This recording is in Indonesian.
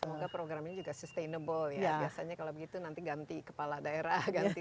antara pemprov yang ada sepuluh berapa h verse